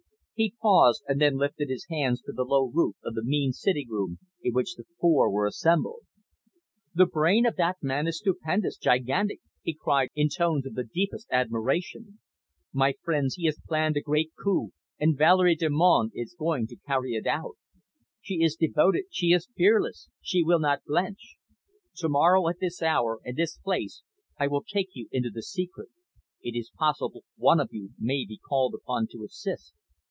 He paused, and then lifted his hands to the low roof of the mean sitting room in which the four were assembled. "The brain of that man is stupendous, gigantic," he cried, in tones of the deepest admiration. "My friends, he has planned a great coup, and Valerie Delmonte is going to carry it out! She is devoted, she is fearless, she will not blench. To morrow at this hour and this place I will take you into the secret; it is possible one of you may be called upon to assist."